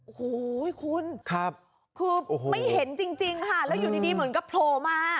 โอ้โหคุณครับคือไม่เห็นจริงจริงค่ะแล้วอยู่ดีดีเหมือนกับโพลมา